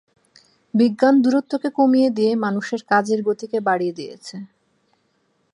বিজ্ঞান দূরত্বকে কমিয়ে দিয়ে মানুষের কাজের গতিকে বাড়িয়ে দিয়েছে।